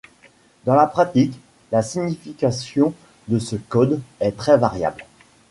Dans la pratique, la signification de ce code est très variable.